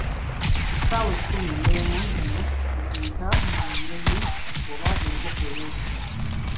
Essaawa ekkumi n'emu zino zetuyita, mu bunnyonnyi oba enkoko ey'okusatu.